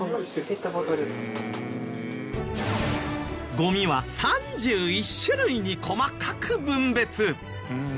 ゴミは３１種類に細かく分別。